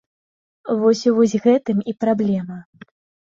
Вось у вось гэтым і праблема!